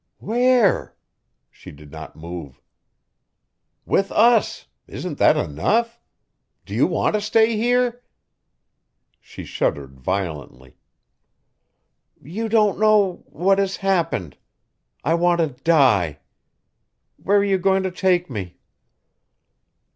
"Where?" She did not move. "With us. Isn't that enough? Do you want to stay here?" She shuddered violently. "You don't know what has happened. I want to die. Where are you going to take me?"